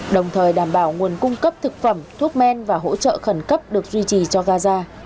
đồng thời đảm bảo nguồn cung cấp thực phẩm thuốc men và hỗ trợ khẩn cấp được duy trì cho gaza